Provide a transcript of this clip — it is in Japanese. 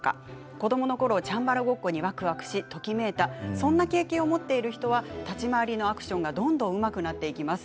子どものころチャンバラごっこにわくわくして、ときめいたそんな経験を持っている人は立ち回りのアクションがどんどんうまくなっていきます。